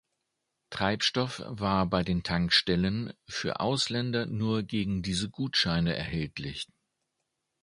Treibstoff war bei den Tankstellen für Ausländer nur gegen diese Gutscheine erhältlich.